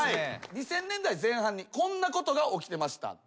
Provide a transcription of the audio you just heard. ２０００年代前半にこんなことが起きてました。